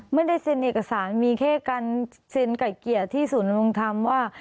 ไม่ได้เซ็นเอกสารมีแค่การเซ็นไก่เกลียดที่ศูนย์ดำรงธรรมว่า